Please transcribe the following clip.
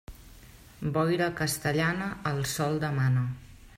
Boira castellana, el sol demana.